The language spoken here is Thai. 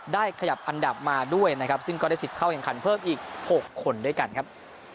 ขยับอันดับมาด้วยนะครับซึ่งก็ได้สิทธิ์เข้าแข่งขันเพิ่มอีก๖คนด้วยกันครับ